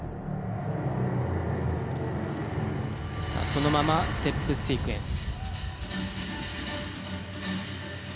そのままステップシークエンス。